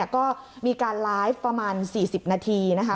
ก็มีการไลฟ์ประมาณ๔๐นาทีนะคะ